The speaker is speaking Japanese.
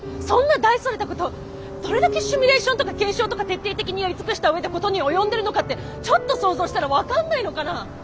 そんな大それたことどれだけシミュレーションとか検証とか徹底的にやり尽くした上で事に及んでるのかってちょっと想像したら分かんないのかな。